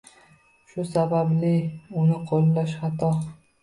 Shu sababli uni qoʻllash xato